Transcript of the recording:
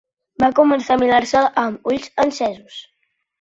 Va començar a mirar-se-la amb ulls encesos